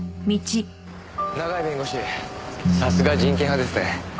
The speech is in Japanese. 永井弁護士さすが人権派ですね。